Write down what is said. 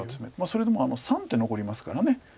それでも３手残りますから。